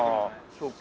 そうか。